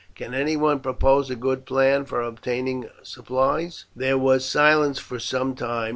Can anyone propose a good plan for obtaining supplies?" There was silence for some time.